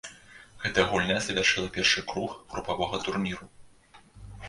Гэтая гульня завяршыла першы круг групавога турніру.